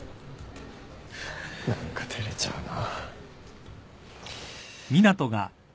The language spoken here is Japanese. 何か照れちゃうな。